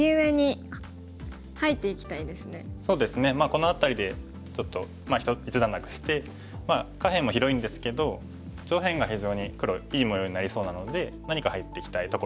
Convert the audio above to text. この辺りでちょっと一段落してまあ下辺も広いんですけど上辺が非常に黒いい模様になりそうなので何か入っていきたいところですね。